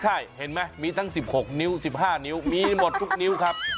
ใช่เห็นไหมมีทั้ง๑๖นิ้ว๑๕นิ้วมีหมดทุกนิ้วครับ